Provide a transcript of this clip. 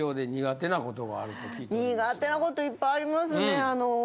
苦手なこといっぱいありますね。